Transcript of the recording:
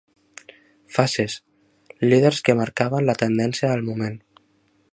Faces: líders que marcaven la tendència del moment.